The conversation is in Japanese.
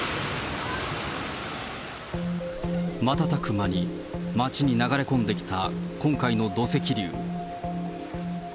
瞬く間に町に流れ込んできた今回の土石流。